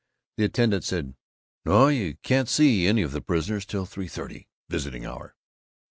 The attendant said, "Naw, you can't see any of the prisoners till three thirty visiting hour."